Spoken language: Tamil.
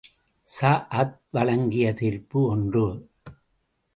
ஸஅத் வழங்கிய தீர்ப்பு ஒன்று.